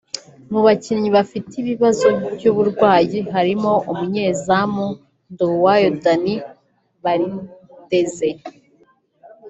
Mu bakinnyi bafite ibibazo by’uburwayi harimo umunyezamu Nduwayo Danny Bariteze